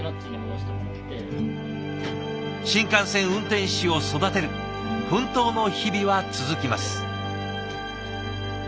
新幹線運転士を育てる奮闘の日々は続きます。